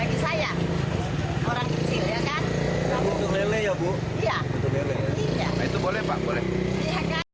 itu boleh pak boleh